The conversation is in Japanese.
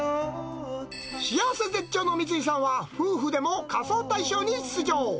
幸せ絶頂の三井さんは、夫婦でも仮装大賞に出場。